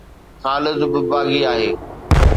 خالد به باغي آهي